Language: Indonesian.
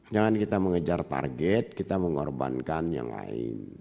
jangan kita mengejar target kita mengorbankan yang lain